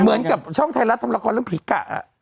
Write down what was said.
เหมือนกับช่องไทยรัฐทำละครเรื่องผีกะ